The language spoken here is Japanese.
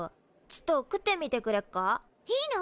ちっと食ってみてくれっか？いいの？